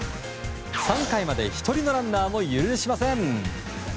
３回まで１人のランナーも許しません。